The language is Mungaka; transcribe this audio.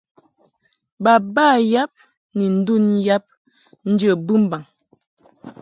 Baba yab ni ndun yab njə bɨmbaŋ.